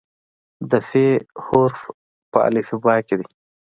د "ف" حرف په الفبا کې دی.